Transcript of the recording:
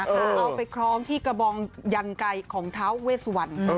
เอาไปคล้องที่กระบองยันไก่ของท้าเวสวัน